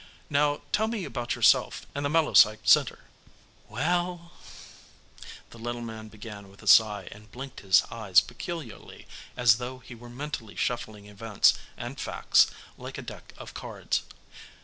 "Now, tell me about yourself and the Melopsych Center." "Well," the little man began with a sigh and blinked his eyes peculiarly as though he were mentally shuffling events and facts like a deck of cards.